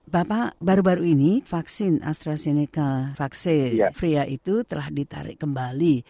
bapak baru baru ini vaksin astrazeneca vacria itu telah ditarik kembali